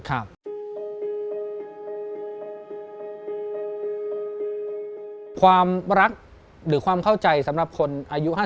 ความรักหรือความเข้าใจสำหรับคนอายุ๕๐